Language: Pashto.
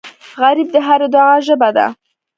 غریب د هرې دعا ژبه ده